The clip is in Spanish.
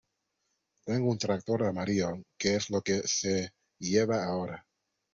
Tengo un tractor amarillo, que es lo que se lleva ahora.